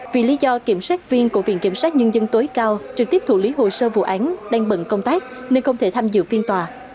vì lý do kiểm soát viên của viện kiểm sát nhân dân tối cao trực tiếp thủ lý hồ sơ vụ án đang bận công tác nên không thể tham dự phiên tòa